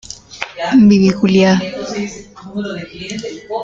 Además, esos triunfos los consiguió con una plantilla compuesta solo por surcoreanos.